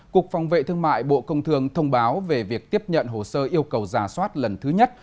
cục phòng vệ thương mại bộ công thường thông báo về việc tiếp nhận hồ sơ yêu cầu giả soát lần thứ nhất